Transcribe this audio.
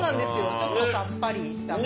ちょっとさっぱりした感じ。